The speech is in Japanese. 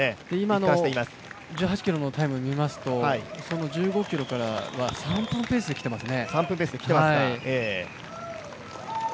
今の１８ｋｍのタイムを見ますと１５ｋｍからは３分ペースで来ています。